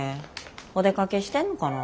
お出かけしてんのかな。